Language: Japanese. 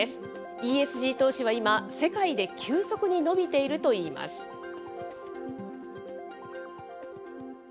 ＥＳＧ投資は今、世界で急速に伸びているといいます。